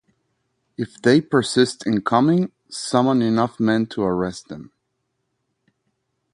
If they persist in coming, summon enough men to arrest them.